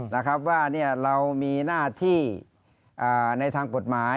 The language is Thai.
นะครับว่าเรามีหน้าที่ในทางกฎหมาย